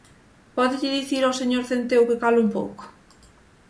¿Pódelle dicir ao señor Centeo que cale un pouco?